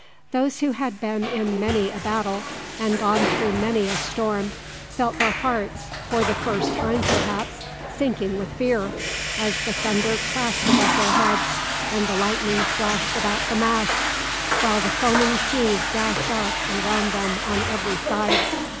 Those who had been in many a battle, and gone through many a storm, felt their hearts, for the first time perhaps, sinking with fear, as the thunder crashed above their heads and the lightning flashed about the masts, while the foaming seas dashed up and round them on every side.